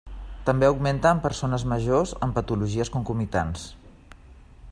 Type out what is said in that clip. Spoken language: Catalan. També augmenta en persones majors amb patologies concomitants.